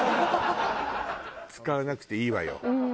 使わなくていいわよ。